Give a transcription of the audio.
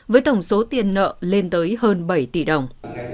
với tổng số tiền nợ lên tới hơn bảy tỷ đồng